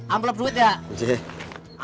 amplep duit ya